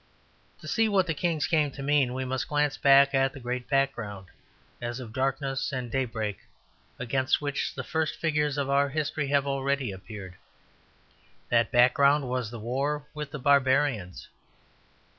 To see what the kings came to mean we must glance back at the great background, as of darkness and daybreak, against which the first figures of our history have already appeared. That background was the war with the barbarians.